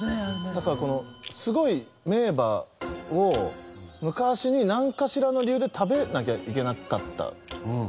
だからこのすごい名馬を昔になんかしらの理由で食べなきゃいけなかった。